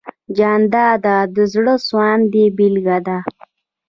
جانداد د زړه سواندۍ بېلګه ده.